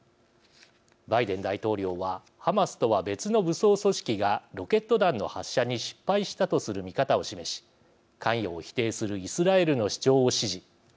バイデン大統領はハマスとは別の武装組織がロケット弾の発射に失敗したとする見方を示し関与を否定するイスラエルの主張を支持。